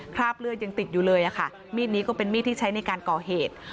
คราบเลือดยังติดอยู่เลยค่ะมีดนี้ก็เป็นมีดที่ใช้ในการก่อเหตุ